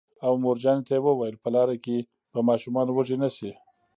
او مورجانې ته یې وویل: په لاره کې به ماشومان وږي نه شي